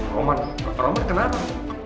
laman laman kenapa